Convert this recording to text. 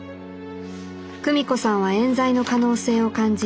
久美子さんはえん罪の可能性を感じ